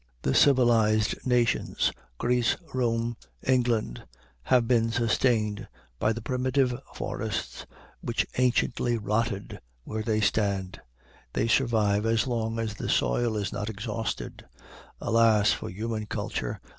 The civilized nations Greece, Rome, England have been sustained by the primitive forests which anciently rotted where they stand. They survive as long as the soil is not exhausted. Alas for human culture!